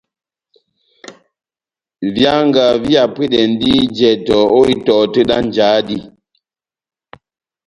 Výanga vihapwedɛndi jɛtɔ ó itɔhɔ tɛ́h dá njáhá dí.